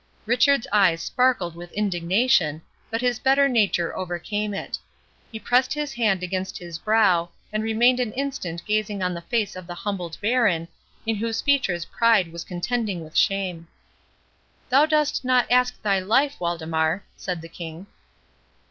Richard's eyes sparkled with indignation, but his better nature overcame it. He pressed his hand against his brow, and remained an instant gazing on the face of the humbled baron, in whose features pride was contending with shame. "Thou dost not ask thy life, Waldemar," said the King.